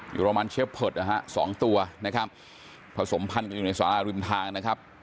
อยู่ประมาณเชฟเพิร์ตนะฮะสองตัวนะครับผสมพันธุ์กันอยู่ในสาราริมทางนะครับ